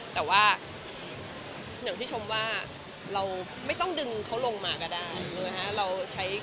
แต่ว่าเหมือนที่ชมว่าเราไม่ต้องดึงเขาลงมาก็ได้เลยฮะ